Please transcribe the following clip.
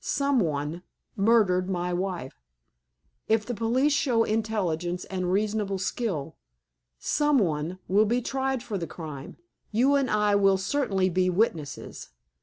Someone murdered my wife. If the police show intelligence and reasonable skill, someone will be tried for the crime. You and I will certainly be witnesses.